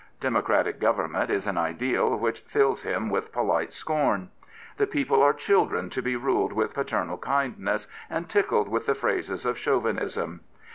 Demo cratic government is an ideal which fills him with polite scorn. The people are children to be ruled with paternal kindness and tickled with the phrases of Chauvinism.